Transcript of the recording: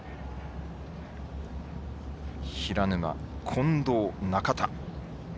平沼、近藤、中田。